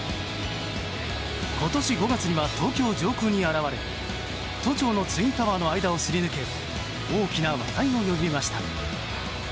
今年５月には東京上空に現れ都庁のツインタワーの間をすり抜け大きな話題を呼びました。